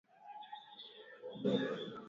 Rwanda sasa inataka jamhuri ya kidemokrasia ya